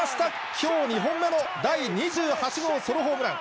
きょう２本目の第２８号ソロホームラン。